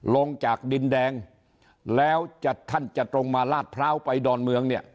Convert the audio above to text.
ลงจากดินแดงแล้วท่านจะตรงมาลาดพร้าวไปดอนเมืองเนี่ย